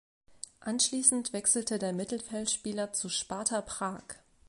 Anschließend wechselte der Mittelfeldspieler zu Sparta Prag.